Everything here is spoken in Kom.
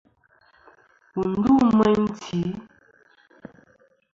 Wù ndu meyn tì.